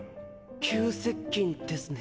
急接近ですね。